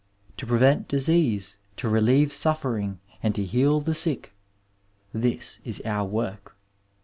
To prevent disease, to re lieve suffering and to heal the sick — ^this is our work.